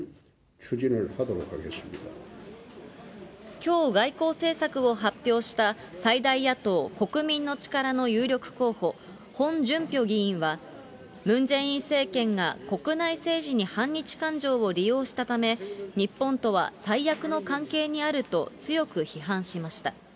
きょう外交政策を発表した、最大野党・国民の力の有力候補、ホン・ジュンピョ議員は、ムン・ジェイン政権が国内政治に反日感情を利用したため、日本とは最悪の関係にあると強く批判しました。